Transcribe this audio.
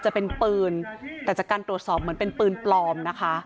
จะเป็นปืนแต่จากการตรวจสอบเหมือนเป็นปืนปลอมนะคะ